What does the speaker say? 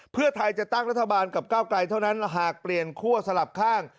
เพื่อไทยจะตั้งรัฐบาลกับก้าวไกลเท่านั้นหากเปลี่ยนคั่วสลับข้าง